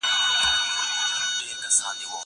زه مخکي کښېناستل کړي وو!